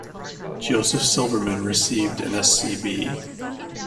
Joseph Silverman received an Sc.B.